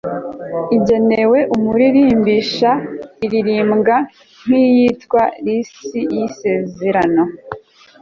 igenewe umuririmbisha. iririmbwa nk'iyitwa lisi y'isezerano